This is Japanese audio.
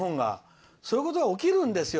そういうことが起きるんですよ